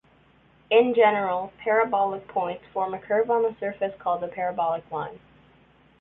In general, parabolic points form a curve on the surface called the "parabolic line".